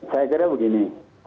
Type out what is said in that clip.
saya kira begini